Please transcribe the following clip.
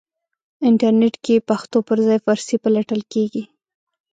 انټرنېټ کې پښتو پرځای فارسی پلټل کېږي.